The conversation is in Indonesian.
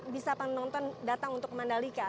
bisa penonton datang untuk ke mandalika